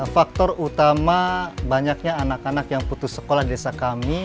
faktor utama banyaknya anak anak yang putus sekolah di desa kami